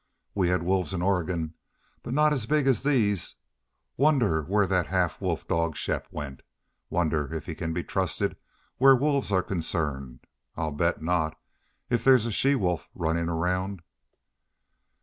"We had wolves in Oregon, but not as big as these.... Wonder where that half wolf dog, Shepp, went. Wonder if he can be trusted where wolves are concerned. I'll bet not, if there's a she wolf runnin' around."